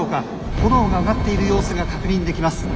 炎が上がっている様子が確認できます。